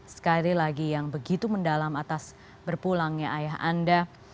sekali lagi yang begitu mendalam atas berpulangnya ayah anda